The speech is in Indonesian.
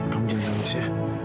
kamu jangan nangis ya